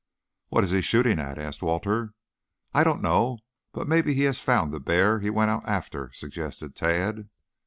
"What is he shooting at?" asked Walter. "I don't know, but maybe he has found the bear he went out after," suggested Tad.